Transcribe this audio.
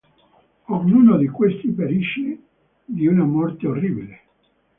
Ognuno di questi perisce di una morte orribile.